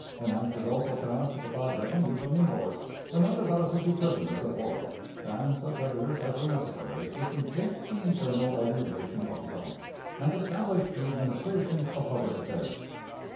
An act was also passed to provide revenue from imports; another, relative to prisoners of war; and such others as were necessary to complete the internal organization of the Government, and establish the administration of public affairs.